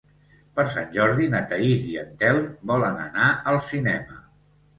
Per Sant Jordi na Thaís i en Telm volen anar al cinema.